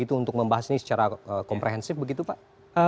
itu untuk membahas ini secara komprehensif begitu pak